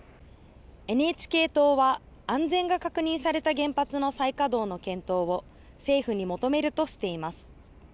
ＮＨＫ党は安全が確認された原発の再稼働の検討を政府に求めるとしています。